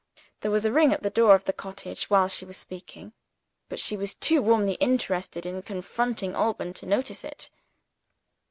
There was a ring at the door of the cottage while she was speaking. But she was too warmly interested in confuting Alban to notice it.